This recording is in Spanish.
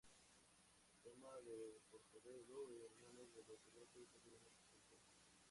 La toma de Portobelo en manos de los rebeldes no duró mucho tiempo.